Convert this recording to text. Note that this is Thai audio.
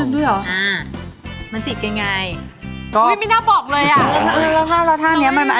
เดี๋ยวพี่เกลาดึงให้